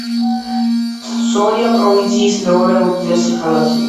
სორია პროვინციის მეორე უდიდესი ქალაქია.